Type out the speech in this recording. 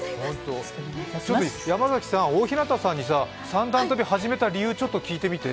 山崎さん、大日向さんに三段跳び始めた理由聞いてみて？